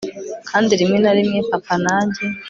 kandi rimwe na rimwe papa na njye